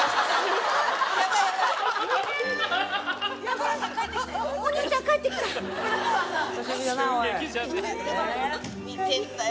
寅さん帰ってきたよ。